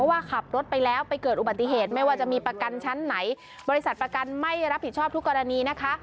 ว่าขับรถไปแล้วไปเกิดอุบัติเหตุไม่ว่าจะมีประกันชั้นไหนบริษัทประกันไม่รับผิดชอบทุกกรณีนะคะ